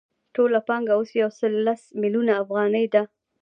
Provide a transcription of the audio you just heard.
ټوله پانګه اوس یو سل لس میلیونه افغانۍ ده